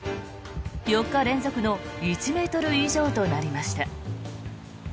４日連続の１ｍ以上となりました。